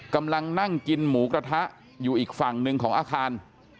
กำลังนั่งกินหมูกระทะอยู่อีกฝั่งหนึ่งของอาคาร